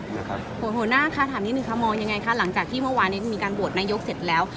หัวหน้ามองยังไงคะหลังจากที่เมื่อวานมีการโบสถ์นายกเสร็จแล้ว